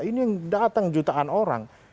ini yang datang jutaan orang